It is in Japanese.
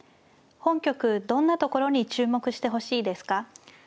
本局どんなところに注目してほしいですか。